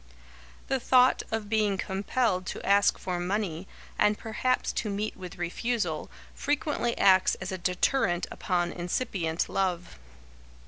The thought of being compelled to ask for money, and perhaps to meet with refusal, frequently acts as a deterrent upon incipient love.